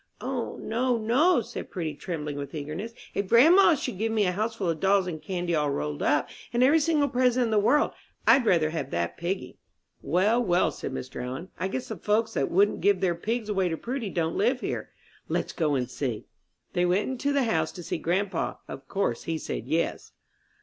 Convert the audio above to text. "O, no, no," said Prudy, trembling with eagerness. "If grandma should give me a house full of dolls and candy all rolled up, and every single present in the world, I'd rather have that piggy." "Well, well," said Mr. Allen, "I guess the folks that wouldn't give their pigs away to Prudy don't live here. Let's go and see." They went into the house to see grandpa. Of course he said Yes.